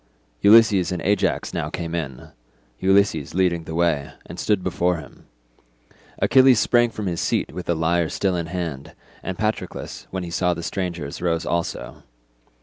Ulysses and Ajax now came in—Ulysses leading the way—and stood before him. Achilles sprang from his seat with the lyre still in his hand, and Patroclus, when he saw the strangers, rose also.